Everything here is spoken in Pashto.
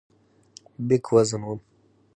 بیک وزن کوم.